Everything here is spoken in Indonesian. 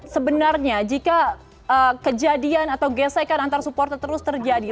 sebenarnya jika kejadian atau gesekan antar supporter terus terjadi